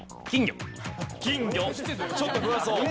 金魚。